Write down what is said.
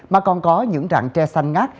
mà còn có những trạng tre xanh ngát